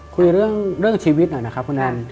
คุยเรื่องชีวิตหน่อยนะครับคุณแอน